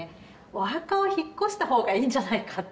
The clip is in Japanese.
お墓を引っ越した方がいいんじゃないかっていうふうに。